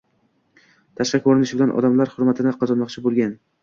Tashqi ko‘rinishi bilan odamlar hurmatini qozonmoqchi bo‘lgan